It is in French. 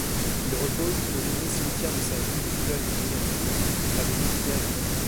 Il repose au nouveau cimetière de sa ville de Boulogne-Billancourt, avenue Pierre-Grenier.